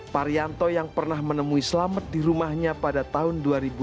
parianto yang pernah menemui selamet di rumahnya pada tahun dua ribu dua puluh dua